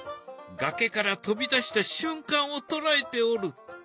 崖から飛び出した瞬間を捉えておる。